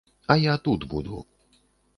А я тут буду.